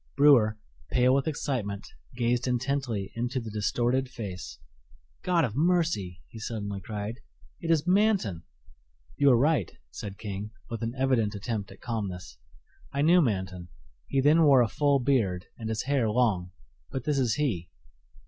Brewer, pale with excitement, gazed intently into the distorted face. "God of mercy!" he suddenly cried, "it is Manton!" "You are right," said King, with an evident attempt at calmness: "I knew Manton. He then wore a full beard and his hair long, but this is he."